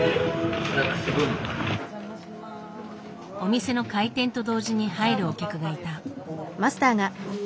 お店の開店と同時に入るお客がいた。